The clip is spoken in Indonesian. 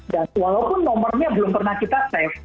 dan walaupun nomornya belum pernah kita simpan